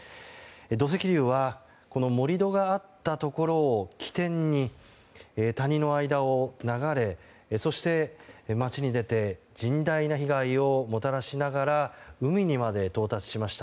土石流は盛り土があったところを起点に谷の間を流れ、そして町に出て甚大な被害をもたらしながら海にまで到達しました。